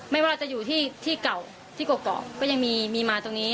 ไม่ว่าจะอยู่ที่เก่าที่เกาะก็ยังมีมาตรงนี้